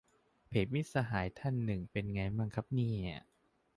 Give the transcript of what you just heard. เพจมิตรสหายท่านหนึ่งเป็นไงมั่งครับเนี่ย